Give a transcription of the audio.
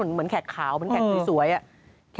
เหมือนแขกขาวแขกสวยอ่ะ